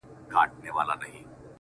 زما زنده گي وخوړه زې وخوړم،